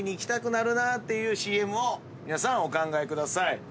皆さんお考えください。